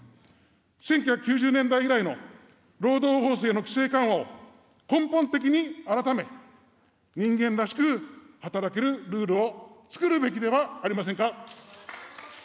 １９９０年代ぐらいの労働法制の規制緩和を根本的に改め、人間らしく働けるルールをつくるべきではありませんか。